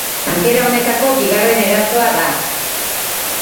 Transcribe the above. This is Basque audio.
Tankera honetako bigarren erasoa da.